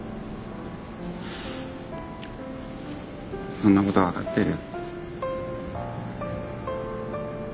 そんなこと分かってる。